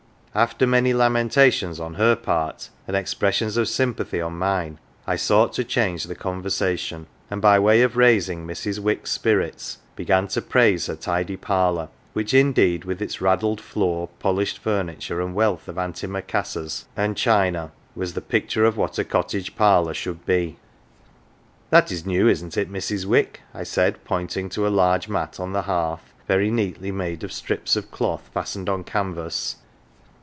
After many lamentations on her part, and expressions of sympathy on mine, I sought to change the conversation, and by way of raising Mrs. Wick's spirits began to praise her tidy parlour, which, indeed, with its raddled floor, polished furniture, and wealth of antimacassars and china, was the picture of what a cottage parlour should be. " That is new, isn't it, Mrs. Wick ?" I said, pointing to a large mat on the hearth, very neatly made of strips of cloth fastened on canvas.